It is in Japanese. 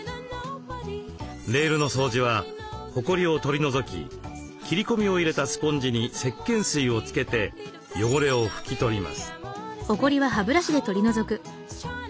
レールの掃除はほこりを取り除き切り込みを入れたスポンジにせっけん水をつけて汚れを拭き取ります。